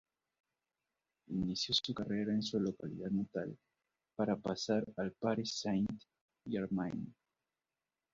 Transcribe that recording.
Inició su carrera en su localidad natal, para pasar al Paris Saint Germain.